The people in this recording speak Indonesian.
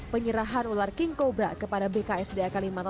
penyerahan ular king cobra kepada bksda kalimantan